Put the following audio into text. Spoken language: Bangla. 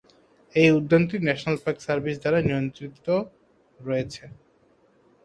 এই উদ্যানটি ন্যাশনাল পার্ক সার্ভিস দ্বারা নিয়ন্ত্রিত রয়েছে।